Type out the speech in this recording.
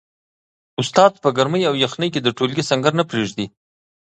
استاد په ګرمۍ او یخنۍ کي د ټولګي سنګر نه پریږدي.